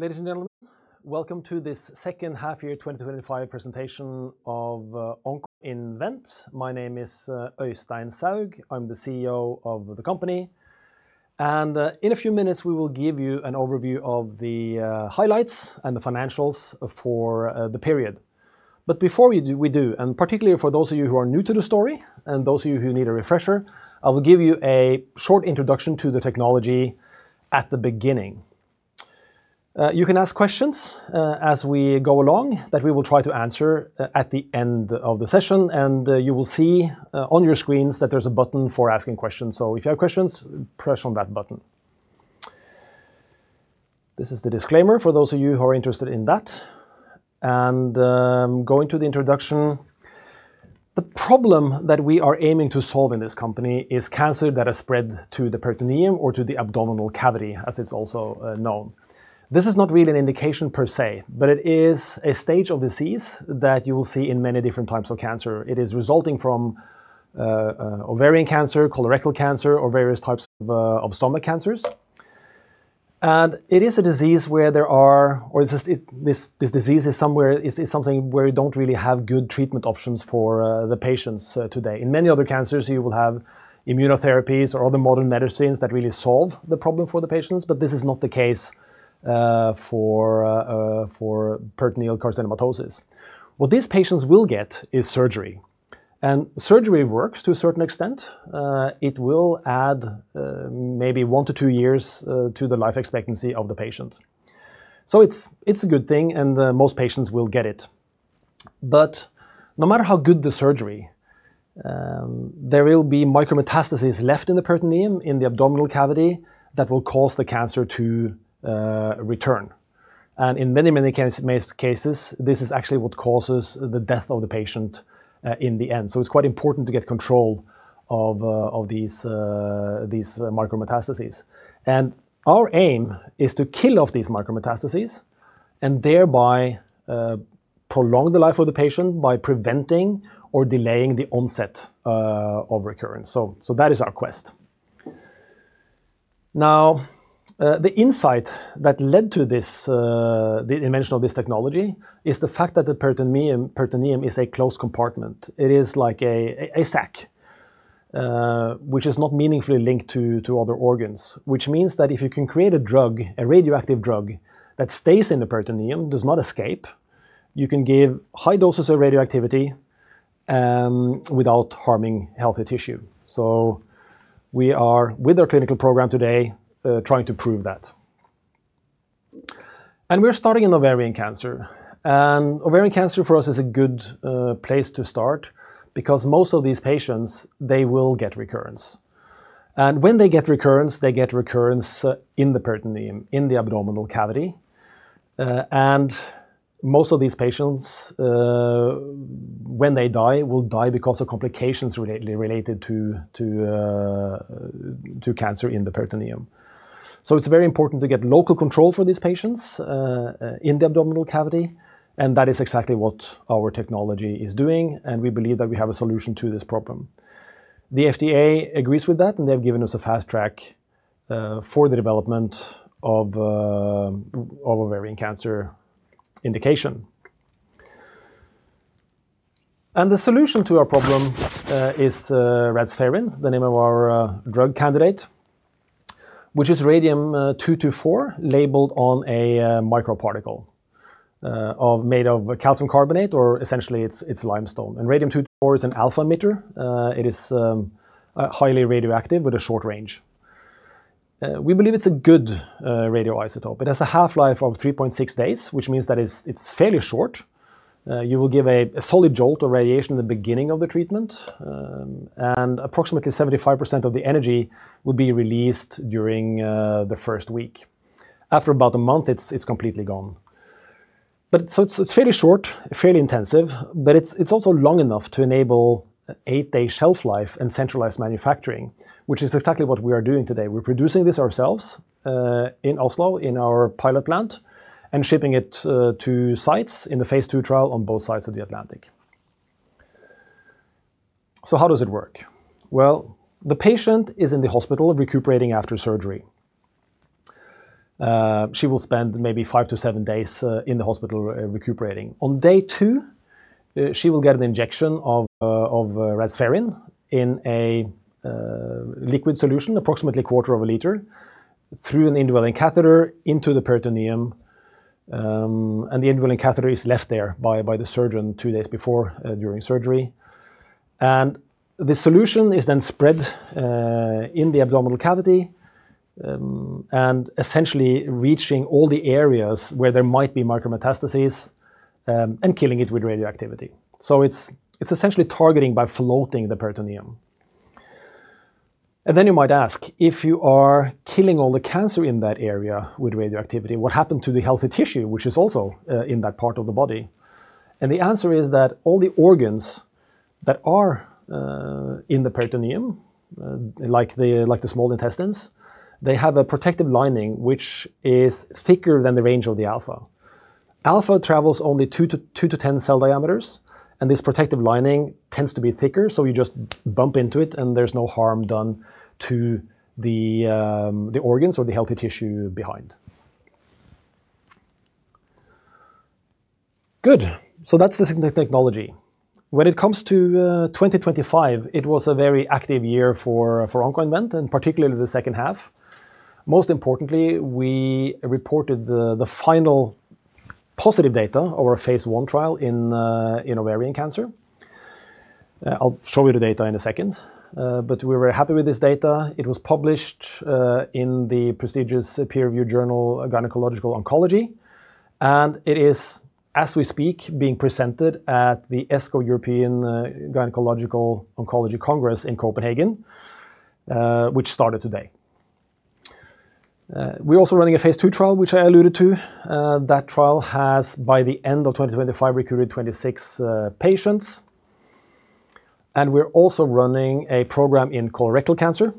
Ladies, and gentlemen, welcome to this Second Half Year 2025 Presentation of Oncoinvent. My name is Øystein Soug. I'm the CEO of the company, in a few minutes, we will give you an overview of the highlights and the financials for the period. Before we do, and particularly for those of you who are new to the story, and those of you who need a refresher, I will give you a short introduction to the technology at the beginning. You can ask questions as we go along, that we will try to answer at the end of the session, and you will see on your screens that there's a button for asking questions. If you have questions, press on that button. This is the disclaimer for those of you who are interested in that. Going to the introduction, the problem that we are aiming to solve in this company is cancer that has spread to the peritoneum or to the abdominal cavity, as it's also known. This is not really an indication per se, but it is a stage of disease that you will see in many different types of cancer. It is resulting from ovarian cancer, colorectal cancer, or various types of stomach cancers. It is a disease where we don't really have good treatment options for the patients today. In many other cancers, you will have immunotherapies or other modern medicines that really solve the problem for the patients, but this is not the case for peritoneal carcinomatosis. What these patients will get is surgery. Surgery works to a certain extent. It will add maybe one to two years to the life expectancy of the patient. It's a good thing, and most patients will get it. No matter how good the surgery, there will be micrometastasis left in the peritoneum, in the abdominal cavity, that will cause the cancer to return. In most cases, this is actually what causes the death of the patient in the end. It's quite important to get control of these micrometastases. Our aim is to kill off these micrometastases and thereby prolong the life of the patient by preventing or delaying the onset of recurrence. That is our quest. The insight that led to this, the invention of this technology, is the fact that the peritoneum is a closed compartment. It is like a sac, which is not meaningfully linked to other organs. This means that if you can create a drug, a radioactive drug, that stays in the peritoneum, does not escape, you can give high doses of radioactivity without harming healthy tissue. We are, with our clinical program today, trying to prove that. We're starting in ovarian cancer. Ovarian cancer for us is a good place to start because most of these patients, they will get recurrence. When they get recurrence, they get recurrence in the peritoneum, in the abdominal cavity, and most of these patients, when they die, will die because of complications related to cancer in the peritoneum. It's very important to get local control for these patients in the abdominal cavity, and that is exactly what our technology is doing, and we believe that we have a solution to this problem. The FDA agrees with that, and they have given us a Fast Track for the development of ovarian cancer indication. The solution to our problem is Radspherin, the name of our drug candidate, which is radium-224, labeled on a microparticle made of calcium carbonate, or essentially, it's limestone. Radium-224 is an alpha emitter. It is highly radioactive with a short range. We believe it's a good radioisotope. It has a half-life of 3.6 days, which means that it's fairly short. You will give a solid jolt of radiation in the beginning of the treatment, and approximately 75% of the energy will be released during the first week. After about a month, it's completely gone. It's fairly short, fairly intensive, but it's also long enough to enable eight day shelf life and centralized manufacturing, which is exactly what we are doing today. We're producing this ourselves in Oslo, in our pilot plant, and shipping it to sites in the phase II trial on both sides of the Atlantic. How does it work? The patient is in the hospital, recuperating after surgery. She will spend maybe five to seven days in the hospital recuperating. On day two, she will get an injection of Radspherin in a liquid solution, approximately a quarter of a liter, through an indwelling catheter into the peritoneum. The indwelling catheter is left there by the surgeon two days before during surgery. The solution is then spread in the abdominal cavity, essentially reaching all the areas where there might be micrometastasis, killing it with radioactivity. It's essentially targeting by floating the peritoneum. Then you might ask, if you are killing all the cancer in that area with radioactivity, what happened to the healthy tissue, which is also in that part of the body? The answer is that all the organs that are in the peritoneum, like the small intestines, they have a protective lining, which is thicker than the range of the alpha. Alpha travels only two to 10 cell diameters, and this protective lining tends to be thicker, so you just bump into it, and there's no harm done to the organs or the healthy tissue behind. Good. That's the technology. When it comes to 2025, it was a very active year for Oncoinvent, and particularly the second half. Most importantly, we reported the final positive data of our phase I trial in ovarian cancer. I'll show you the data in a second. We were happy with this data. It was published in the prestigious peer-reviewed journal, Gynecological Oncology, and it is, as we speak, being presented at the ESGO European Gynecological Oncology Congress in Copenhagen, which started today. We're also running a phase II trial, which I alluded to. That trial has, by the end of 2025, recruited 26 patients. We're also running a program in colorectal cancer,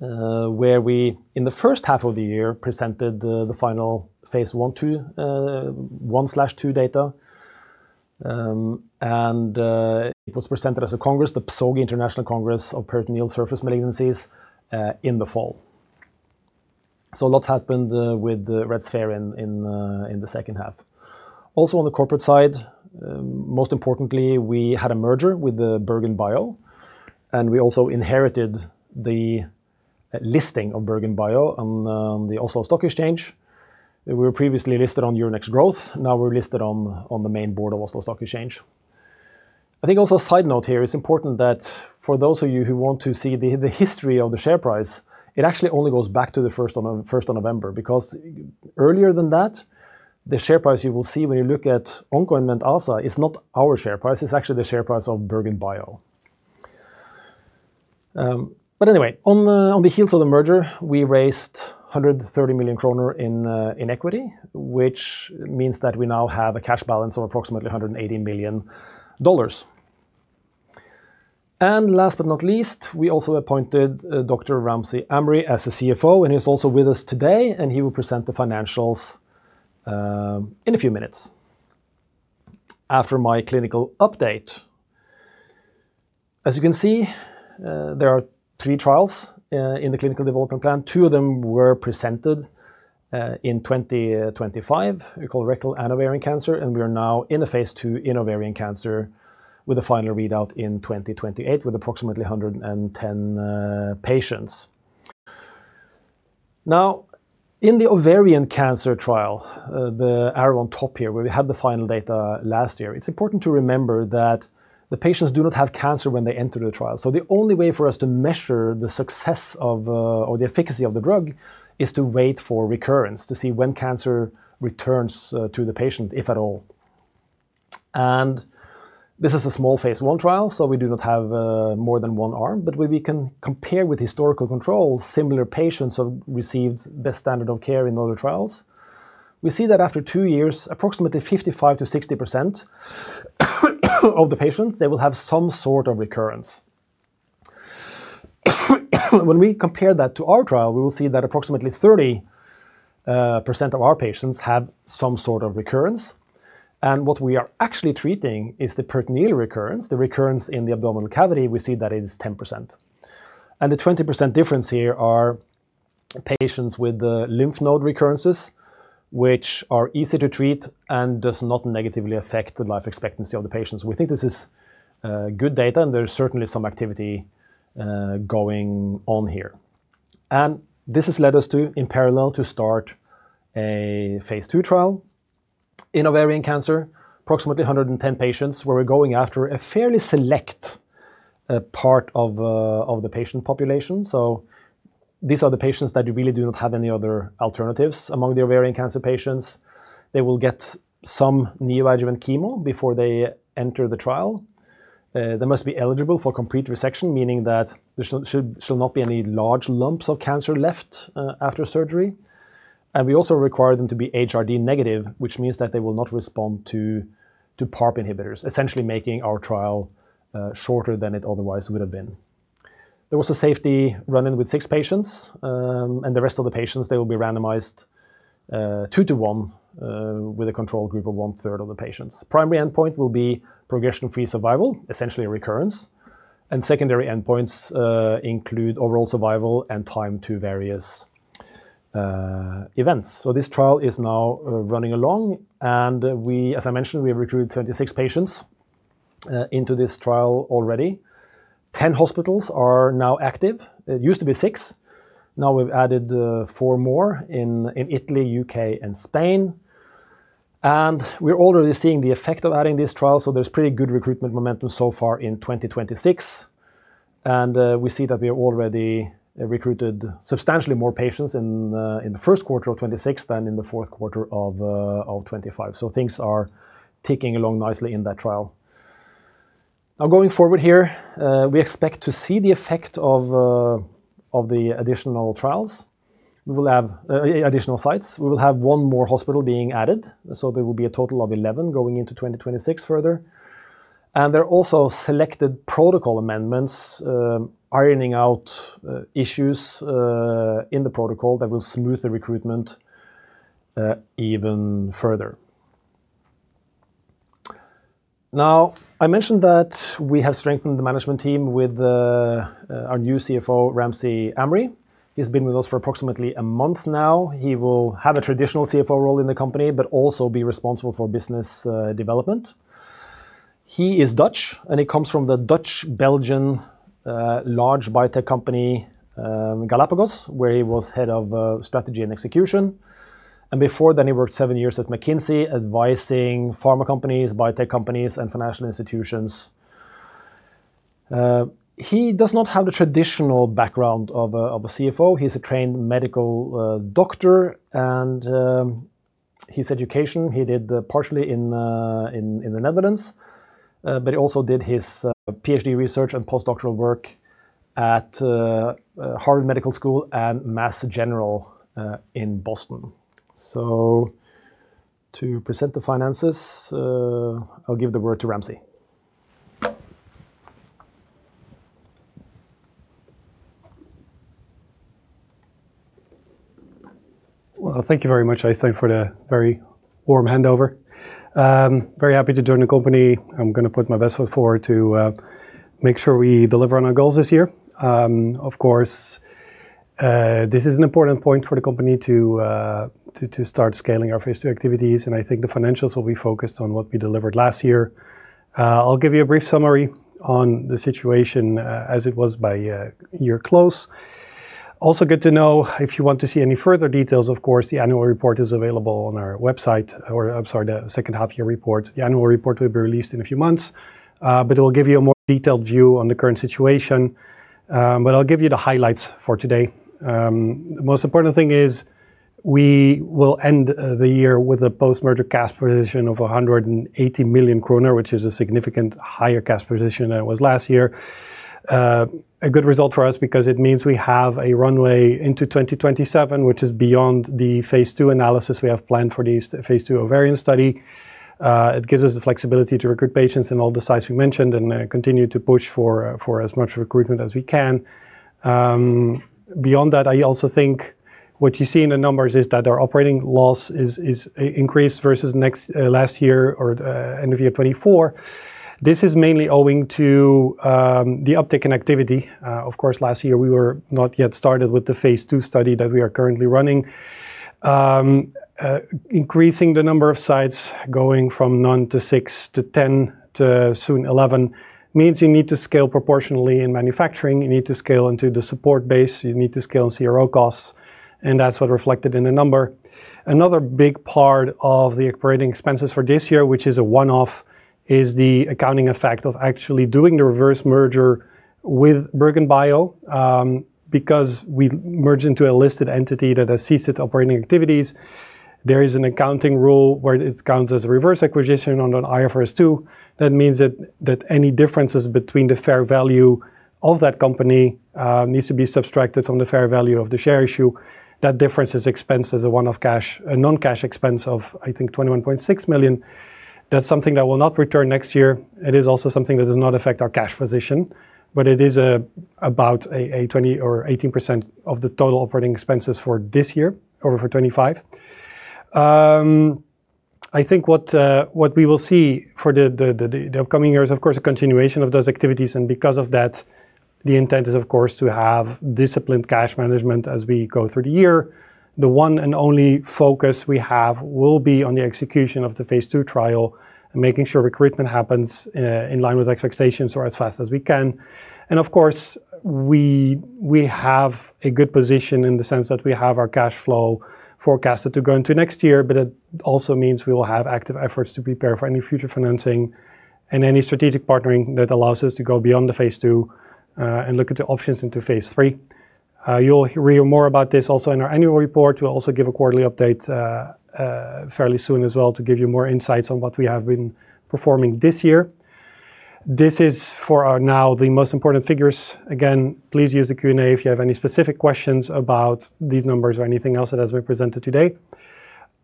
where we, in the first half of the year, presented the final phase I/II data. It was presented as a congress, the PSOGI International Congress of Peritoneal Surface Malignancies, in the fall. A lot happened with Radspherin in the second half. Also, on the corporate side, most importantly, we had a merger with the BerGenBio, and we also inherited the listing of BerGenBio on the Oslo Stock Exchange. We were previously listed on Euronext Growth. Now we're listed on the main board of Oslo Stock Exchange. I think also a side note here, it's important that for those of you who want to see the history of the share price, it actually only goes back to the first of November, because earlier than that, the share price you will see when you look at Oncoinvent ASA is not our share price. It's actually the share price of BerGenBio. Anyway, on the heels of the merger, we raised 130 million kroner in equity, which means that we now have a cash balance of approximately $180 million. Last but not least, we also appointed Dr. Ramzi Amri as the CFO, and he's also with us today, and he will present the financials in a few minutes after my clinical update. You can see there are three trials in the clinical development plan. Two of them were presented in 2025, colorectal and ovarian cancer, and we are now in a phase II in ovarian cancer with a final readout in 2028, with approximately 110 patients. In the ovarian cancer trial, the arrow on top here, where we had the final data last year, it's important to remember that the patients do not have cancer when they enter the trial. The only way for us to measure the success of or the efficacy of the drug is to wait for recurrence, to see when cancer returns to the patient, if at all. This is a small Phase I trial, we do not have more than one arm, we can compare with historical controls. Similar patients have received the standard of care in other trials. We see that after two years, approximately 55%-60% of the patients, they will have some sort of recurrence. When we compare that to our trial, we will see that approximately 30% of our patients have some sort of recurrence, and what we are actually treating is the peritoneal recurrence. The recurrence in the abdominal cavity, we see that it is 10%. The 20% difference here are patients with lymph node recurrences, which are easy to treat and does not negatively affect the life expectancy of the patients. We think this is good data, and there is certainly some activity going on here. This has led us to, in parallel, to start a phase II trial in ovarian cancer, approximately 110 patients, where we're going after a fairly select part of the patient population. These are the patients that really do not have any other alternatives among the ovarian cancer patients. They will get some neoadjuvant chemo before they enter the trial. They must be eligible for complete resection, meaning that there should not be any large lumps of cancer left after surgery. We also require them to be HRD negative, which means that they will not respond to PARP inhibitors, essentially making our trial shorter than it otherwise would have been. There was a safety run-in with six patients, and the rest of the patients, they will be randomized 2:1 with a control group of 1/3 of the patients. Primary endpoint will be progression-free survival, essentially a recurrence, and secondary endpoints include overall survival and time to various events. This trial is now running along, and as I mentioned, we have recruited 26 patients into this trial already. 10 hospitals are now active. It used to be six. Now we've added four more in Italy, U.K., and Spain, and we're already seeing the effect of adding these trials, so there's pretty good recruitment momentum so far in 2026. We see that we have already recruited substantially more patients in the first quarter of 2026 than in the fourth quarter of 2025. Things are ticking along nicely in that trial. Now, going forward here, we expect to see the effect of the additional trials. We will have additional sites. We will have one more hospital being added, so there will be a total of 11 going into 2026 further.... There are also selected protocol amendments, ironing out issues in the protocol that will smooth the recruitment even further. I mentioned that we have strengthened the management team with our new CFO, Ramzi Amri. He's been with us for approximately a month now. He will have a traditional CFO role in the company, but also be responsible for business development. He is Dutch, and he comes from the Dutch Belgian large biotech company, Galapagos, where he was head of strategy and execution. Before then, he worked seven years at McKinsey, advising pharma companies, biotech companies, and financial institutions. He does not have the traditional background of a CFO. He's a trained medical doctor, and his education, he did partially in the Netherlands, but he also did his PhD research and postdoctoral work at Harvard Medical School and Mass General in Boston. To present the finances, I'll give the word to Ramzi. Well, thank you very much, Øystein, for the very warm handover. Very happy to join the company. I'm gonna put my best foot forward to make sure we deliver on our goals this year. Of course, this is an important point for the company to start scaling our phase II activities. I think the financials will be focused on what we delivered last year. I'll give you a brief summary on the situation as it was by year close. Also, good to know if you want to see any further details, of course, the annual report is available on our website, or I'm sorry, the second half year report. The annual report will be released in a few months. It'll give you a more detailed view on the current situation. I'll give you the highlights for today. The most important thing is we will end the year with a post-merger cash position of 180 million kroner, which is a significant higher cash position than it was last year. A good result for us because it means we have a runway into 2027, which is beyond the phase II analysis we have planned for the phase II ovarian study. It gives us the flexibility to recruit patients in all the sites we mentioned and continue to push for as much recruitment as we can. Beyond that, I also think what you see in the numbers is that our operating loss is increased versus next last year or end of year 2024. This is mainly owing to the uptick in activity. Of course, last year we were not yet started with the phase II study that we are currently running. Increasing the number of sites going from none to six to 10 to soon 11 means you need to scale proportionally in manufacturing, you need to scale into the support base, you need to scale CRO costs, and that's what reflected in the number. Another big part of the operating expenses for this year, which is a one-off, is the accounting effect of actually doing the reverse merger with BerGenBio ASA. Because we merged into a listed entity that has ceased its operating activities, there is an accounting rule where it counts as a reverse acquisition under IFRS 2. That means that any differences between the fair value of that company, needs to be subtracted from the fair value of the share issue. That difference is expense as a one-off non-cash expense of, I think, 21.6 million. That's something that will not return next year. It is also something that does not affect our cash position, but it is about a 20% or 18% of the total operating expenses for this year or for 2025. I think what we will see for the upcoming year is, of course, a continuation of those activities, and because of that, the intent is, of course, to have disciplined cash management as we go through the year. The one and only focus we have will be on the execution of the phase II trial and making sure recruitment happens in line with expectations or as fast as we can. Of course, we have a good position in the sense that we have our cash flow forecasted to go into next year, but it also means we will have active efforts to prepare for any future financing and any strategic partnering that allows us to go beyond the phase II and look at the options into phase III. You'll read more about this also in our annual report. We'll also give a quarterly update fairly soon as well to give you more insights on what we have been performing this year. This is for now the most important figures. Again, please use the Q&A if you have any specific questions about these numbers or anything else that has been presented today.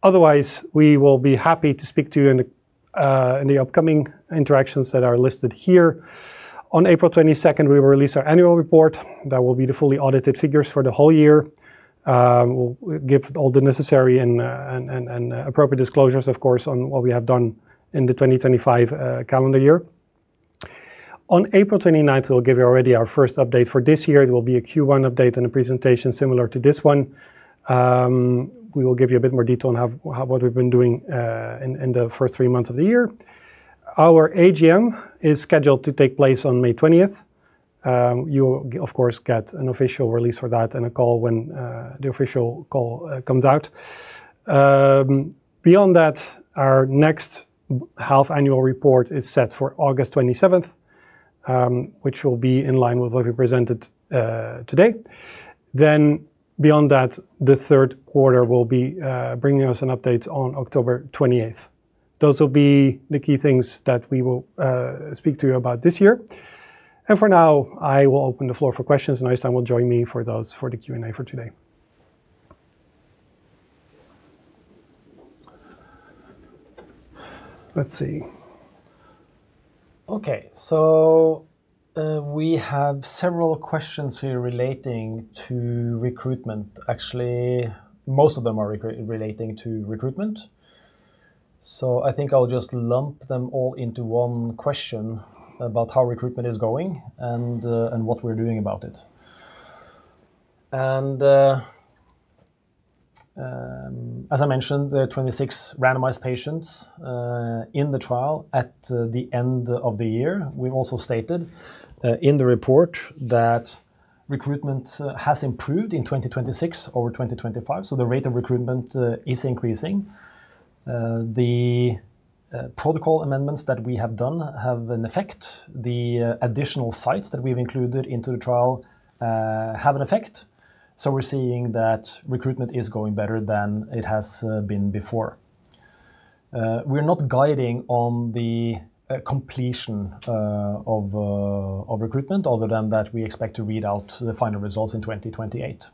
Otherwise, we will be happy to speak to you in the upcoming interactions that are listed here. On April 22nd, we will release our annual report. That will be the fully audited figures for the whole year. We'll give all the necessary and appropriate disclosures, of course, on what we have done in the 2025 calendar year. On April 29th, we'll give you already our first update for this year. It will be a Q1 update and a presentation similar to this one. We will give you a bit more detail on how, what we've been doing in the first three months of the year. Our AGM is scheduled to take place on May 20th. You'll, of course, get an official release for that and a call when the official call comes out. Beyond that, our next half annual report is set for August 27th, which will be in line with what we presented today. Beyond that, the third quarter will be bringing us an update on October 28th. Those will be the key things that we will speak to you about this year. For now, I will open the floor for questions, and Øystein will join me for those for the Q&A for today. Let's see. Okay, we have several questions here relating to recruitment. Actually, most of them are relating to recruitment. I think I'll just lump them all into one question about how recruitment is going, and what we're doing about it. As I mentioned, there are 26 randomized patients in the trial at the end of the year. We've also stated in the report that recruitment has improved in 2026 over 2025, the rate of recruitment is increasing. The protocol amendments that we have done have an effect. The additional sites that we've included into the trial have an effect. We're seeing that recruitment is going better than it has been before. we're not guiding on the completion of recruitment, other than that we expect to read out the final results in 2028.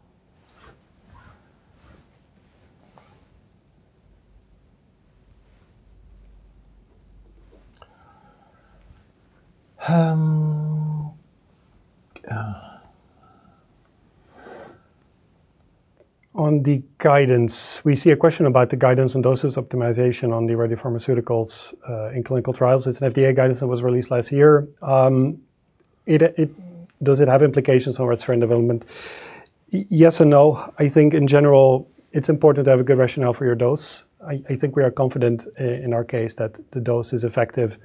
On the guidance, we see a question about the guidance and doses optimization on the radiopharmaceuticals in clinical trials. It's an FDA guidance that was released last year. Does it have implications on our trial development? Yes and no. I think in general, it's important to have a good rationale for your dose. I think we are confident in our case that the dose is effective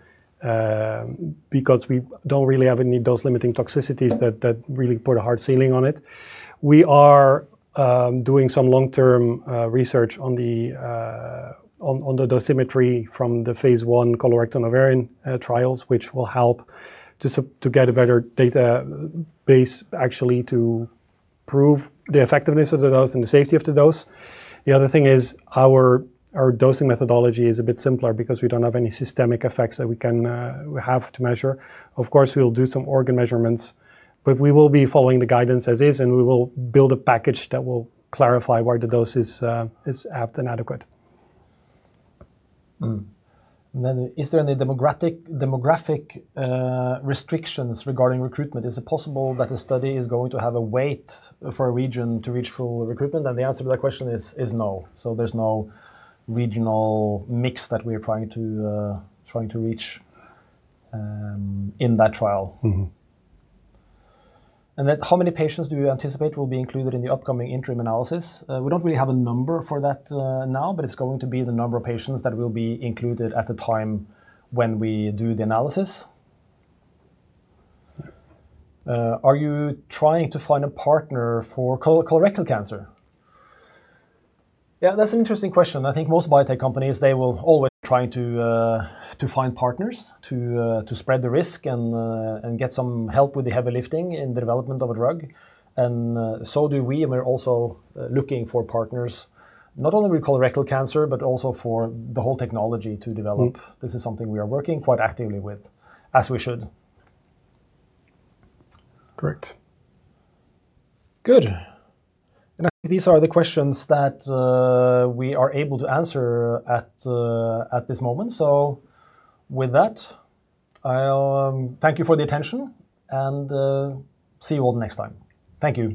because we don't really have any dose-limiting toxicities that really put a hard ceiling on it. We are doing some long-term research on the dosimetry from the phase I colorectal and ovarian trials, which will help to get a better database, actually, to prove the effectiveness of the dose and the safety of the dose. The other thing is, our dosing methodology is a bit simpler because we don't have any systemic effects that we have to measure. Of course, we'll do some organ measurements, but we will be following the guidance as is, and we will build a package that will clarify why the dose is apt and adequate. Is there any demographic restrictions regarding recruitment? Is it possible that a study is going to have a wait for a region to reach full recruitment? The answer to that question is no. There's no regional mix that we're trying to reach in that trial. Mm-hmm. How many patients do you anticipate will be included in the upcoming interim analysis? We don't really have a number for that, now, but it's going to be the number of patients that will be included at the time when we do the analysis. Are you trying to find a partner for colorectal cancer? That's an interesting question. I think most biotech companies, they will always try to find partners, to spread the risk and get some help with the heavy lifting in the development of a drug, and, so do we, and we're also, looking for partners, not only with colorectal cancer but also for the whole technology to develop. Mm. This is something we are working quite actively with, as we should. Correct. Good. I think these are the questions that we are able to answer at this moment. With that, I'll thank you for the attention, and see you all next time. Thank you.